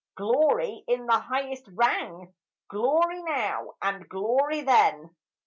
Glory in the highest rang, Glory now and glory then.